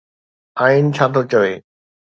آئين ڇا ٿو چوي؟